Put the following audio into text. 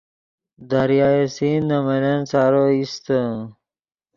دریائے سندھ نے ملن سارو ایستے